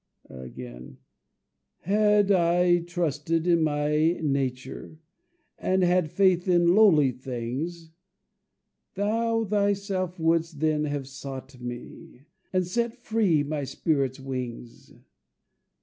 "Had I trusted in my nature, And had faith in lowly things, Thou thyself wouldst then have sought me, And set free my spirit's wings.